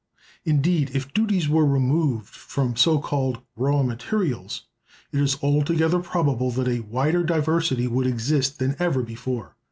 Indeed, if duties were removed from so called "raw materials," it is altogether probable that a wider diversity would exist than ever before.